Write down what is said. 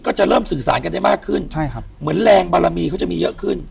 ก็จะเริ่มสื่อสารกันได้มากขึ้นใช่ครับเหมือนแรงบารมีเขาจะมีเยอะขึ้น